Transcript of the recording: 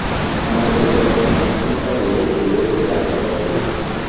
Amasezerano Nyafurika yerekeye Indangagaciro